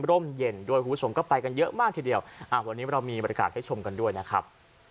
ร่มเย็นโดยหูสมก็ไปกันเยอะมากทีเดียวอ่าวันนี้เรามีบรรยากาศให้ชมกันด้วยนะครับ